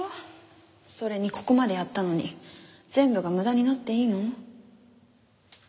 それにここまでやったのに全部が無駄になっていいの？